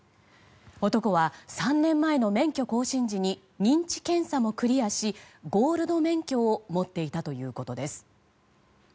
男は３年前の免許更新時に認知検査もクリアしゴールド免許を持っていたということです。